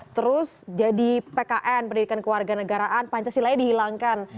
terus jadi pkn pendidikan keluarga negaraan pancasilanya dihilangkan